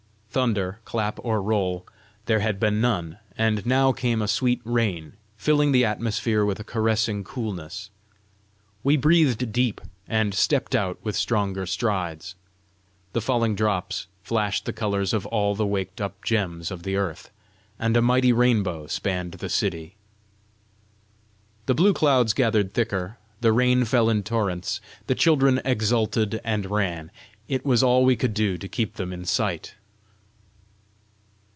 Thunder, clap or roll, there had been none. And now came a sweet rain, filling the atmosphere with a caressing coolness. We breathed deep, and stepped out with stronger strides. The falling drops flashed the colours of all the waked up gems of the earth, and a mighty rainbow spanned the city. The blue clouds gathered thicker; the rain fell in torrents; the children exulted and ran; it was all we could do to keep them in sight.